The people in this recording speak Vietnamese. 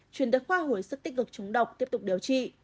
chuyển tới khoa hồi sức tích cực chống độc tiếp tục điều trị